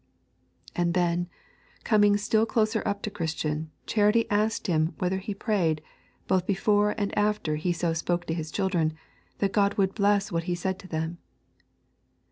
And then, coming still closer up to Christian, Charity asked him whether he prayed, both before and after he so spoke to his children, that God would bless what he said to them.